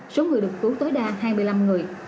số người được cứu tối đa hai mươi năm người